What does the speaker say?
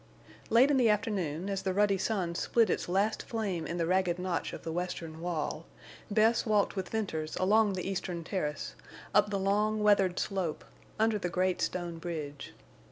Late in the afternoon, as the ruddy sun split its last flame in the ragged notch of the western wall, Bess walked with Venters along the eastern terrace, up the long, weathered slope, under the great stone bridge.